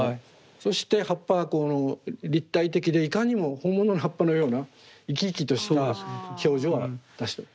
そして葉っぱがこの立体的でいかにも本物の葉っぱのような生き生きとした表情を出してます。